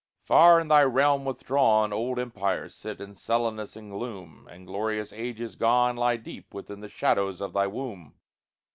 Far in thy realm withdrawn Old empires sit in sullenness and gloom, And glorious ages gone Lie deep within the shadows of thy womb.